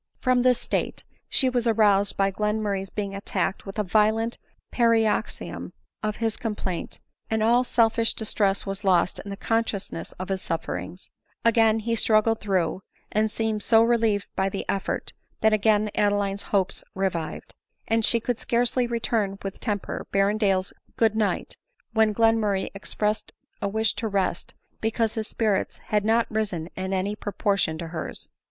From this state she was aroused by Glenmurray's being attacked with a violent paroxysm of his complaint, and all selfish distress was lost in the consciousness of his sufferings ; again he struggled through, and seemed so relieved by the effort, that again Adeline's hopes revived ; and she could scarcely return, with temper, Berrendale's " good night," when Glenmurray expressed a wish to rest, because his spirits had not risen in any proportion to hers.